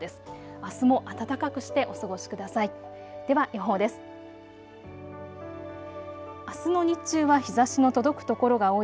あすも暖かくしてお過ごしください。